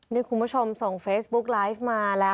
นี่คุณผู้ชมส่งเฟซบุ๊กไลฟ์มาแล้ว